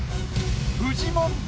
フジモンか？